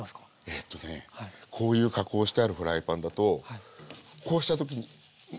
えとねこういう加工をしてあるフライパンだとこうした時に滑りが良くなるぐらい。